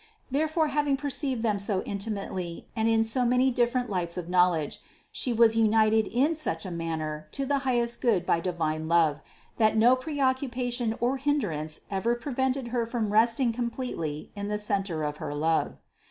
Therefore having perceived them so intimately and in so many different lights of knowledge, She was united in such a manner to the highest Good by divine love that no preoccupation or hindrance ever pre vented Her from resting completely in the centre of her love.